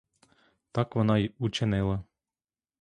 Так вона й учинила.